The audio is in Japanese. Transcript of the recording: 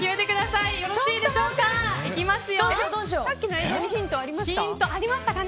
さっきの映像にヒントありましたか？